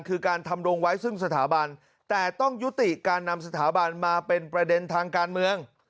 คือการทำรงไว้ซึ่งสถาบันแต่ต้องยุติการนำสถาบันมาเป็นประเด็นทางการเมือง